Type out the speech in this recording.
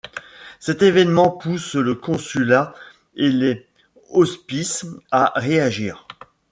Cet évènement pousse le Consulat et les Hospices à réagir.